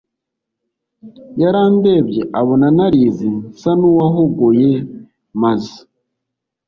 yarandebye abona narize nsa nuwahogoye maze